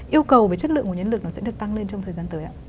yêu cầu về chất lượng nguồn nhân lực nó sẽ được tăng lên trong thời gian tới ạ